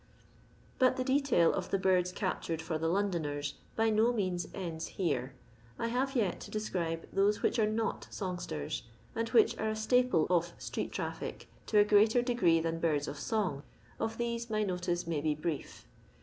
But the detail of the birds captured for the Londoners by no means ends here. I have yet to describe those which are not songsters, and which are a staple of street traffic to a greater degree than birds of song. Of these my notice may be brief.